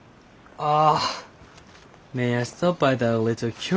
ああ。